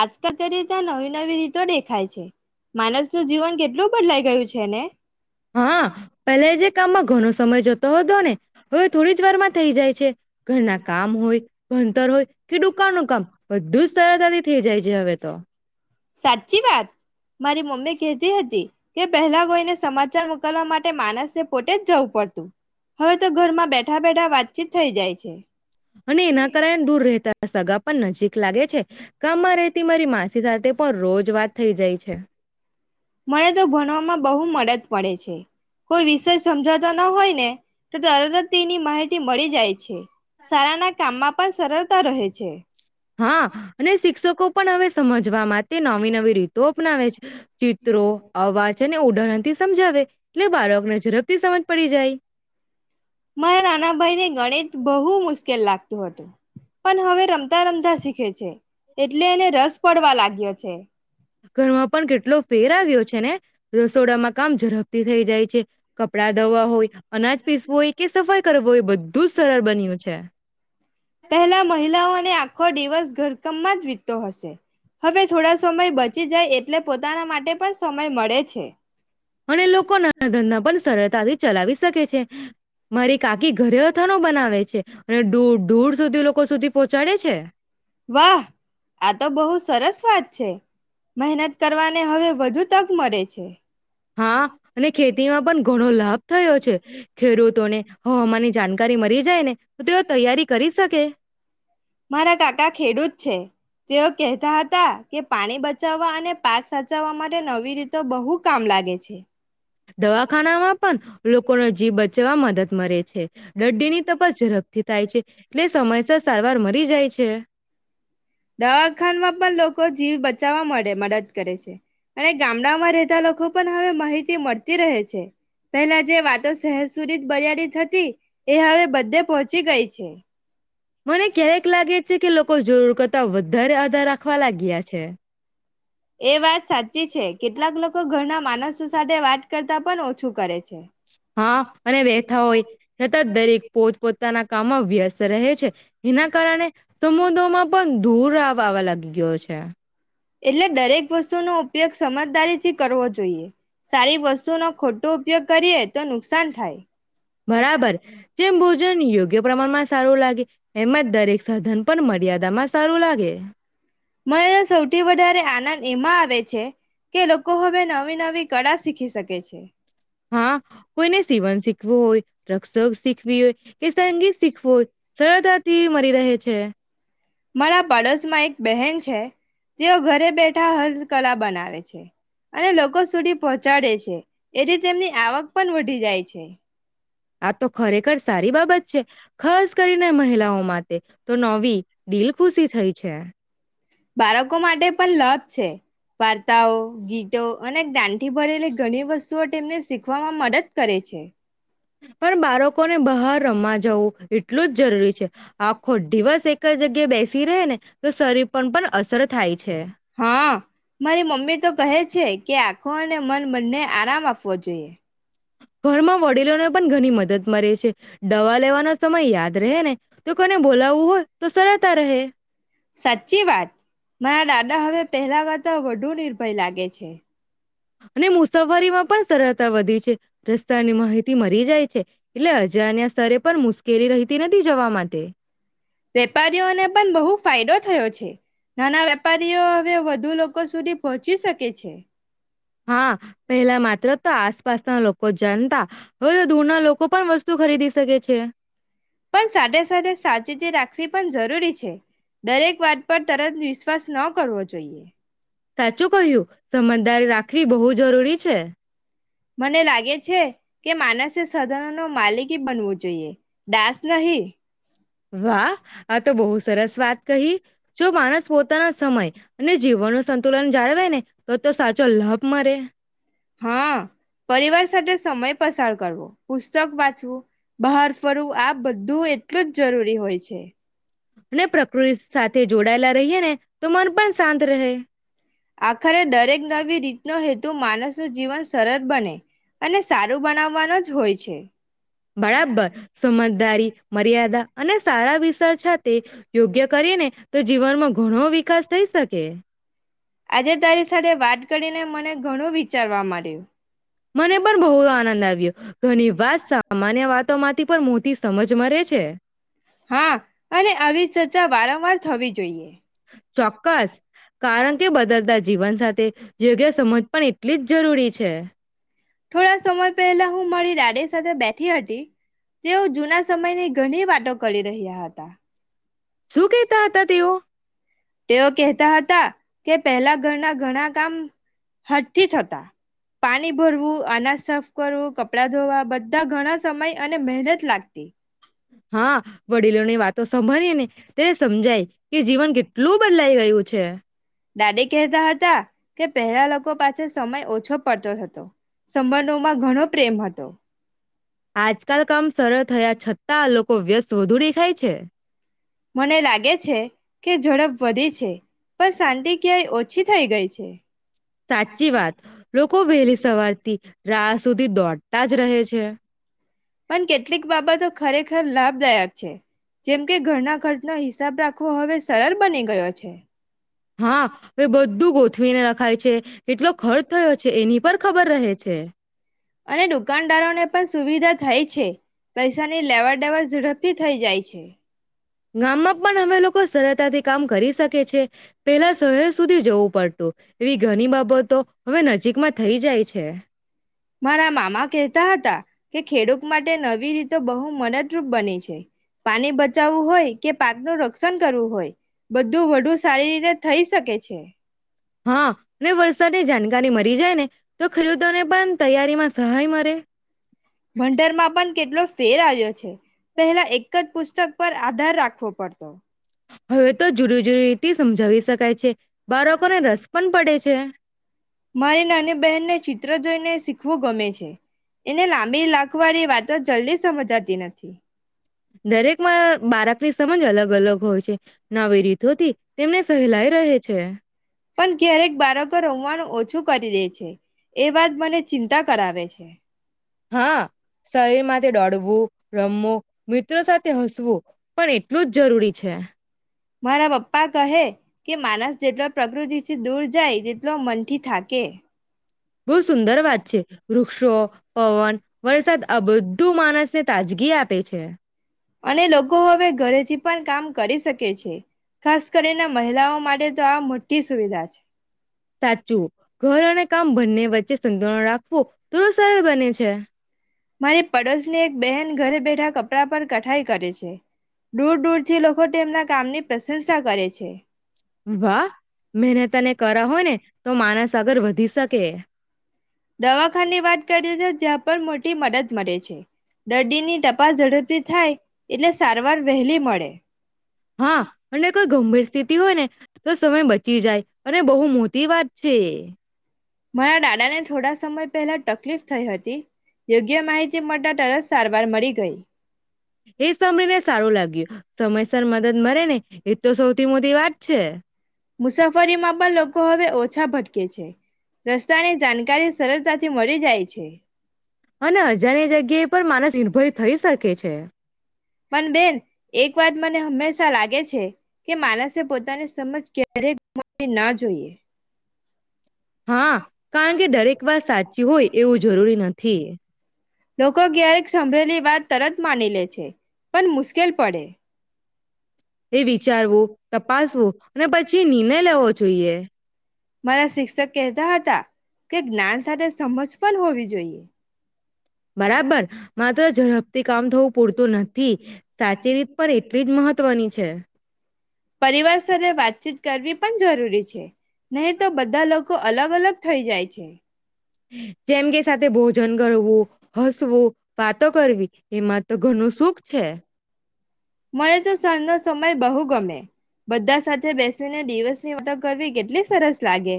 આજકાલ કરીએ ત્યાં નવી નવી રીતો દેખાય છે, માનસનું જીવન કેટલું બદલાઈ ગયું છે ને? હા, પેલે જે કામમાં ઘણો સમય જ જતો હતો, ને હવે થોડી જ વાર માં થઈ જાય છે, ઘરના કામ હોય, ભણતર હોય કે દુકાન નું કામ બધું જ સરતાથી થઈ જાય છે હવે તો. સાચી વાત, મારી મમ્મી કહેતી હતી કે પહેલા કોઈને સમાચાર મોકલવા માટે માનસને પોતે જ જવું પડતું, હવે તો ઘરમાં બેઠા બેઠા વાતચીત થઈ જાય છે. અને એના કારણે દૂર રહેતા સગા પણ નજીક લાગે છે. કામમાં રહેતી મારી માસી સાથે પણ રોજ વાત થઈ જાય છે. મને તો ભણવામાં બહુ મદદ પડે છે, કોઈ વિષય સમજાવતા ન હોય ને તો તરતત તેની માહિતી મળી જાય છે, સારાના કામમાં પણ સરળતા રહે છે. હા અને શિક્ષકો પણ હવે સમજવા માટે તે નવી નવી રીતો અપનાવે છે, ચિત્રો, અવાજ અને ઉદહરણ થી સમજાવે, એટલે બાળકને ઝડપથી સમજ પડી જાય. મારા નાના ભાઈ ને ગણિત બહુ મુશ્કેલ લાગતું હતું, પણ હવે રમતા રમતા શીખે છે, એટલે એને રસ પડવા લાગ્યો છે. ઘરમાં પણ કેટલો ફેર આવ્યો છે ને, રસોડામાં કામ ઝડપ થી થઈ જાય છે. કપડાં ધોવા, હોય અનાજ પીસવું હોય કે સફાઈ કરવુ હોય બધું જ સરળ બન્યું છે. પહેલા મહિલાઓને આખો દિવસ ઘરકમમાં જ વીતતો હશે, હવે થોડા સમય બચી જાય એટલે પોતાના માટે પણ સમય મળે છે. અને લોકો નાના ધંધા પણ સરળ તાથી ચલાવી શકે છે. મારી કાકી ઘરે અથાનું બનાવે છે અને દૂર દૂર સુધી લોકો સુધી પહોંચાડે છે. વાહ! આ તો બહુ સરસ વાત છે, મહેનત કરવાને હવે વધુ તક મળે છે. હા, અને ખેતીમાં પણ ઘણો લાભ થયો છે, ખેડૂતોને હવામાની જાણકારી મળી જાય ને તો તેઓ તૈયારી કરી શકે. મારા કાકા ખેડૂત છે. તેઓ કેહેતા હતા કે પાણી બચાવવા અને પાક સાચવવા માટે નવી રીતો બહુ કામ લાગે છે. દવાખાનામાં પણ લોકોનો જીવ બચવા મદદ મરે છે. દરદીની તપાસ ઝડપથી થાય છે, એટલે સમયસર સારવાર મરી જાય છે. દવાખાનમાં પણ લોકો જીવ બચાવવા મળે મદદ કરે છે, અને ગામડામાં રહેતા લોકો પણ હવે માહિતી મળતી રહે છે, પેલા જે વાતો શહેર સુધી જ મર્યાદિત હતી. એ હવે બધે પહોંચી ગઈ છે. મને ક્યારેક લાગે છે કે. લોકો જરૂર કરતા વધારે આધાર રાખવા લાગ્યા છે. એ વાત સાચી છે કેટલાક લોકો ઘરના માનસો સાથે વાત કરતા પણ ઓછું કરે છે. હા અને વહેથા હોય છતાં દરેક પોત પોતાના. કામો વ્યસ્ત રહે છે. એના કારણે તો મુ દોમાં. પણ ધૂર આવવા લાગી ગયો છે. એટલે દરેક વસ્તુનોો ઉપયોગ સમજદારીથી કરવો જોઈએ સારી વસ્તુનોો ખોટો ઉપયોગ કરીએ તો નુકસાન થાય. બરાબર જેમ ભોજન યોગ્ય પ્રમાણમાં સારું લાગે. એમાંજ દરેક સાધન પણ મર્યાદામાં સારું લાગે. મને સૌથી વધારે આનંદ એમાં આવે છે કે લોકો હવે નવી નવી કળા શીખી શકે છે. હા કોઈને સીવણ શીખવું હોય રક્ષક શીખવી હોય કે સંગીત શીખવું હોય સરળતાથી મળરી રહે છે. છે. મારા પાડોશમાં એક બહેન છે તેઓ ઘરે બેઠા હસ્ત કલા બનાવે છે અને લોકો સુધી પહોંચાડે છે એથી તેમની આવક પણ વધી જાય છે. આ તો ખરેખર સારી બાબત છે ખાસ કરીને મહિલાઓ માટે. તો નવી દિલ ખુશી થઈ છે. [inaudible] બાળકો માટે પણ લભ છે. વાર્તાઓ ગીતો અને દંઠથી ભરેલી ઘણી વસ્તુઓ તેમને શીખવામાં મદદ કરે છે. પણ બાળકોને બહાર [unintelligible] જવું એટલું જ જરૂરી છે આખો દિવસ એક જ જગ્યા બેસી રહેને તો શરીર પર પણ અસર થાય છે. હા મારી મમ્મી તો કહે છે કે આખો અને મન બનને આરામ આપવો જોઈએ. ઘરમાં વડીલોને પણ ઘણી મદદ મળે છે દવા લેવાનો સમય યાદ રહે ને. તો કોને બોલાવવું હોય તો સરળતા રહે. દા હવે પહેલા વાર તો વધુ નિર્ભય લાગે છે. અને મુસાફરીમાં પણ સરળતા વધી છે. રસ્તાની માહિતી મળે. જાય છે. એટલે અજાન્યા સ્તરે પણ મુશ્કેલી રહતી નથી તી જવા માટે વેપારીઓને પણ બહુ ફાયદો થયો છે નાના વેપારીઓ હવે વધુ લોકો સુધી પહોંચી શકે છે હા પેલા માત્ર તો આસપાસના લોકો કો જનતા હોવે તો દૂરના લોકો પણ વસ્તુ ખરીદી શકે છે પણ સાથે સાથે સાચેતી રાખવી પણ જરૂરી છે દરેક વાત પર તરત વિશ્વાસ ન કરવો જોઈએ સાચું કહ્યું સમજદાર રાખવી બહુ જ જરૂરી છે મને લાગે છે કે માનસ સાધરણ નો માલિકી બનવો જોઈએ દાસ નહી વાહ આ તો બહુ સરસ વાત કહી જો માણસ પોતાના સમય અને જીવન નો સંતુલન જાળવે ને તો તો સાચો લાભ મળે હા પરિવાર સાથે સમય પસાર કરવો પુસ્તક વાંચવું બહાર ફરવું આ બધું એટલું જ જરૂરી હોય છે અને પ્રકૃતિ સાથે જોડાયેલા રહીએે ને તો મન પણ શાંત રહે આખરે દરેક નવી રીતનો હેતુ માનસનું જીવન સરળ બને અને સારું બનાવવાનો જ હોય છે બરાબર સમજદારી મર્યાદા અને સારા વિગાર સાથે યોગ્ય કરી ને તો જીવનમાં ઘણો વિકાસ થઈ શકે આજે તારી સાથે વાત કરીને મને ઘણું વિચારવા માંડ્યું મને પણ બહુ આનંદ આવ્યો ઘણી વાર સામાન્ય વાત તમા થી પર મોટી સમજ મરે છે હા અને આવી ચર્ચા વારંવાર થવી જોઈએ ચોક્કસ કારણ કે બદલતા જ જીવન સાથે યોગ્ય સમજ પણ એટલી જ જરૂરી છે થોડા સમય પહેલા હું મળી ડાડી સાથે બેઠી હતી તેઓ જૂના સમયની ઘણી વાતો કરી રહ્યા હતા શું કહેતા હતા તેઓ તેઓ કેહતા હતા કે પહેલા ઘરના ઘણા કામ હાથથી થતા, પાણી ભરવું, અનાજ સાફ કરવું, કપડાં ધોવા બધા ઘણા સમય અને મહેનત લાગતી હા, વડીલોની વાત તો સંભળીએ ને તેને સમજાય કે જીવન કેટ લું બદલાઈ ગયું છે. દાદે કહેતા હતા કે પહેલા લોકો પાસે સમય ઓછો પડતો હતો, સંબંધોમાં ઘણો પ્રેમ હતો. આજકાલ કામ સરળ થયા છતાં આ લોકો વ્યસ્ત વધુ દેખાય છે. મને લાગે છે કે ઝડપ વધી છે પણ શાંતિ ક્યાય ઓછી થઈ ગઈ છે. સાચી વાત, લોકો વહેલી સવારથી રાહ સુધી દોડતા જ રહે છે. પણ કેટલીક બાબતો ખરેખર લાભદાયક છે જેમ કે ઘરના ખર્ચનો હિસાબ રાખવો હવે સરળ બની ગયો છે. હા, એ બધું ગોથવીને રખાય છે. કેટલો ખર્ચ થયો છે એની પર ખબર રહે છે. અને દુકાનદારોને પણ સુવિધા થાય છે. પૈસાની લેવાડ દેવર ઝડપથી થઈ જાય છે. ગામમાં પણ હવે લોકો શરત [unintelligible] કામ કરી શકે છે. પેલા શહેર સુધી જવું પડતું એવી ઘણી બાબતો હવે નજીકમાં થઈ જાય છે. મારા મામા કહેતા હતા કે ખેડૂત માટે નવી રીતો બહુ મદદરૂપ બની છે. પાણી બચાવવું હોય કે પાકનું રક્ષણ કરવું હોય બધું વડુ સારી રીતે થઈ શકે છે. હા ને વરસાદે જાણી [unintelligible] તો ખેરુતો ને પણ તૈયારીમાં સહાય મરે ભણતરમાં પણ કેટલો ફેર આવ્યો છે પહેલા એક જ પુસ્ત ઉપર આધાર રાખવો પડતો થી સમજાવી શકાય છે. બાળકોને રસ પણ પડે છે. મારી નાની બહેનને ચિત્ર જોઈને શીખવું ગમે છે એને લાંબી લાાખવાળી વાતો જલ્દી સમજાતી નથી દરેકમાં [unintelligible] સમજ અલગ અલગ હોય છે નવી રીતોથી તેમને સહેલાઈ રહે છે. પણ ક્યારેક બાળકો રમવાનું ઓછું કરી દે છે એ વાત મને ચિંતા કરાવે છે હા સરીર માટે દોડવું રમવું મિત્રો સાથે હસવું પણ એટલું જ જરૂરી છે મારા પપ્પા કહે કે માનસ જેટલો પ્રકૃતિ થી દૂર જાય તેટલો મનથી થાકે બહુ સુંદર વાત છે વૃક્ષો પવન વરસાદ આ બધું માનસને તાજગી આપે છે. અને લોકો હવે ઘરેથી પણ કામ કરી શકે છે ખાસ કરીને મહિલાઓ માટે તો આ મોટી સુવિધા છે. સાચું ઘર અને કામ બંને વચ્ચે રાખવો થોડું સરળ બને છે. છે [unintelligible] મારી પડોશની એક બહેન ઘરે બેઠા કપડા પર કઠાઈ કરે છે દૂર દૂરથી લોકો તેમના કામની પ્રશંસા કરે છે. વાહ મને તને કર હો ને. તો માણસ આગર વધી સક કે દવાખા ની વાત કરી ને પણ મોટી મદદ મળે છે દર્દીની ટપાસ ઝડપથી થાય એટલે સારવાર વહેલી મળે. હા અને કોઈ ગંભીર સ્થિતિ હોય ને તો સમય બચી જાય અને બહુ મોટી વાત છે. મારા દાદાને થોડા સમય પહેલા તકલીફ થઈ હતી યોગ્ય માહિતી મળતા તરત સારવાર મળી ગઈ. એ સમનને સારું લાગ્યું સમયસર મદદ મળેને એ તો સૌથી મોટી વાત છે મુસાફરીમાં પણ લોકો હવે ઓછા ભટકે છે રસ્તાની જાણકારી સરલતાથી મળી જાય છે. અને અજાણ્ય જગ્યાએ પણ માનસ નિર્ભય થઈ શકે છે. કે પણ બેન એક વાત મને હંમેશા લાગે છે કે માનસે પોતાની સમજ ક્યારેય [unintelligible] ના જોઈએ. હા કારણ કે દરેક વાત સાચી હોય એવું જરૂરી નથી. લોકો ક્યારેક સંભળેલી વાત તરત માની લે છે પણ મુશ્કેલ પડે. એ વિચારવું, તપાસવું અને પછી નિર્ણય લેવો જોઈએ. મારા શિક્ષક કહેતા હતા કે જ્ઞાન સાથે સમજ પણ હોવી જોઈએ. બરાબર માત્ર ઝડપથી કામ થવું પૂરતું નથી, સાચી રીત પણ એટલી જ મહત્વની છે. પરિવાર સાથે વાતચીત કરવી પણ જરૂરી છે. નહીં તો બધા લોકો અલગ અલગ થઈ જાય છે. જેમ કે સાથે ભોજન કરવું, હસવું વાતો કરવી એમાં તો ઘણું સુખ છે. મને તો સાંજ નો સમય બહુ ગમે. બધા સાથે બેસીને દિવસની વાતો કરવી કેટલી સરસ લાગે.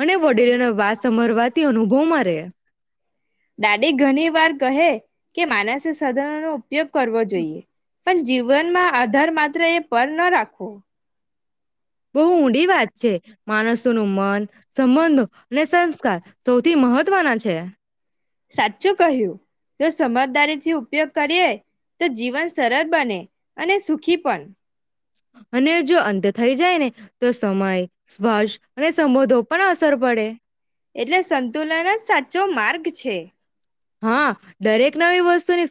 અને વડીલોને વાત સમરવાથી અનુભવ મરે. દાડી ઘણી વાર કહે કે માનસે સાધરણનો ઉપયોગ કરવો જોઈએ. પણ જીવનમાં આધાર માત્ર એ પર ન રાખવો. બહુ ઊંડી વાત છે. માણસોનું મન સંબંધો અને સંસ્કાર સૌથી મહત્વના છે. સાચું કહ્યું જો સમજદારીથી ઉપયોગ કરીએ તો જીવન સરળ બને અને સુખી પણ. અને જો અંત થઈ જાય ને તો સમય સ્પર્શ અને સંબોધો પણ અસર પડે એટલે સંતુલન જ સાચ ચો માર્ગ છે. હા દરેક નવી વસ્તુની